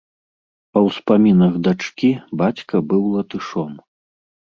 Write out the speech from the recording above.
Па ўспамінах дачкі, бацька быў латышом.